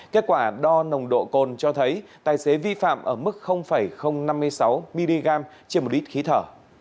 kết quả đo nồng độ cồn cho thấy tài xế vi phạm ở mức năm mươi sáu mg trên một lít khí thở